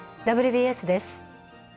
「ＷＢＳ」です。